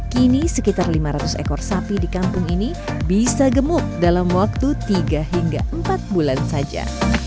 kini sekitar lima ratus ekor sapi di kampung ini bisa gemuk dalam waktu tiga hingga empat bulan saja